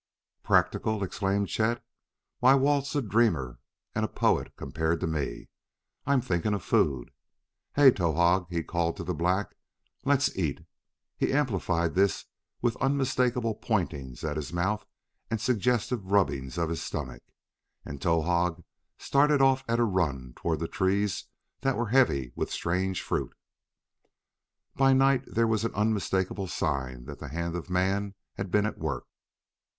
"Practical!" exclaimed Chet. "Why, Walt's a dreamer and a poet compared to me. I'm thinking of food. Hey, Towahg," he called to the black, "let's eat!" He amplified this with unmistakable pointings at his mouth and suggestive rubbing of his stomach, and Towahg started off at a run toward trees that were heavy with strange fruit. By night there were unmistakable signs that the hand of man had been at work.